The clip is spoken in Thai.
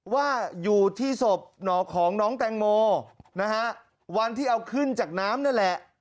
ว่าอยู่ที่ศพหนอกของน้องแตงโมนะฮะวันที่เอาขึ้นจากน้ำนั่นแหละ